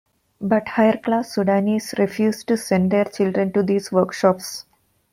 But higher class Sudanese refused to send their children to these workshops.